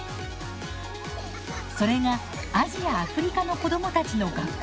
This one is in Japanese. それがアジア・アフリカの子どもたちの学校